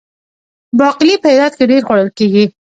باقلي په هرات کې ډیر خوړل کیږي.